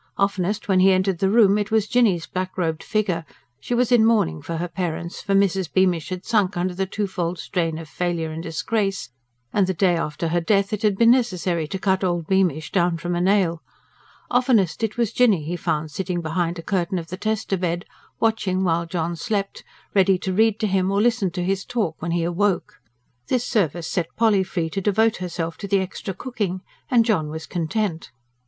Oftenest when he entered the room it was Jinny's black robed figure she was in mourning for her parents; for Mrs. Beamish had sunk under the twofold strain of failure and disgrace, and the day after her death it had been necessary to cut old Beamish down from a nail oftenest it was Jinny he found sitting behind a curtain of the tester bed, watching while John slept, ready to read to him or to listen to his talk when he awoke. This service set Polly free to devote herself to the extra cooking; and John was content.